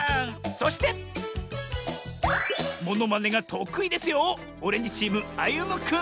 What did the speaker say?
そしてモノマネがとくいですよ